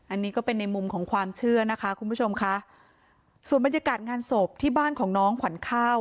อันนี้ก็เป็นในมุมของความเชื่อนะคะคุณผู้ชมค่ะส่วนบรรยากาศงานศพที่บ้านของน้องขวัญข้าว